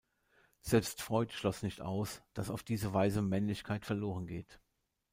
Selbst Freud schloss nicht aus, dass auf diese Weise Männlichkeit verloren geht.